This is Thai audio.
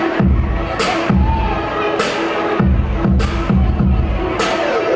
ไม่ต้องถามไม่ต้องถาม